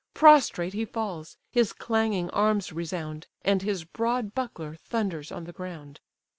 Prostrate he falls; his clanging arms resound, And his broad buckler thunders on the ground.